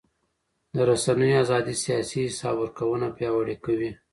د رسنیو ازادي سیاسي حساب ورکونه پیاوړې کوي